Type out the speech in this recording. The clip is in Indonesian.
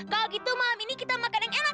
kalau gitu mam ini kita makan yang enak